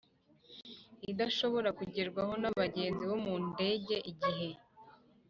Idashobora kugerwaho n abagenzi bo mu ndege igihe